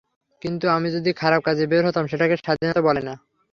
কিন্তু আমি যদি খারাপ কাজে বের হতাম, সেটাকে স্বাধীনতা বলে না।